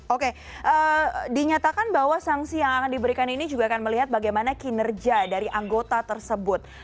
oke dinyatakan bahwa sanksi yang akan diberikan ini juga akan melihat bagaimana kinerja dari anggota tersebut